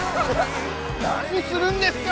何するんですか！